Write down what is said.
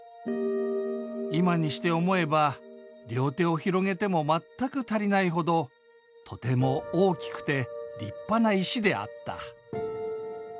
今にして思えば両手を広げても全く足りないほどとても大きくて立派な石であった」。